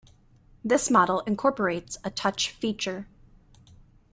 This model incorporates a touch feature.